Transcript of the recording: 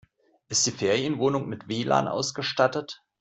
Ist die Ferienwohnung mit WLAN ausgestattet?